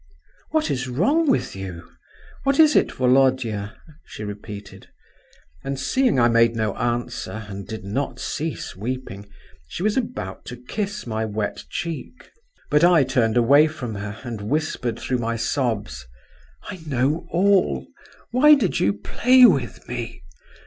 "What is wrong with you? What is it, Volodya?" she repeated; and seeing I made no answer, and did not cease weeping, she was about to kiss my wet cheek. But I turned away from her, and whispered through my sobs, "I know all. Why did you play with me?